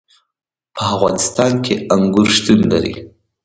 په افغانستان کې انګور شتون لري.